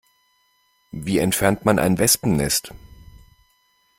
Wie entfernt man ein Wespennest?